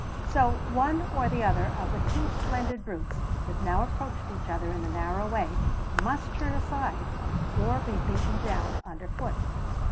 So one or the other of the two splendid brutes that now approached each other in the narrow way must turn aside or be beaten down underfoot.